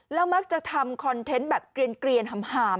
แล้วมักจะทำคอนเทนต์แบบเกลียนหาม